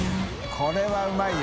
これはうまいよ。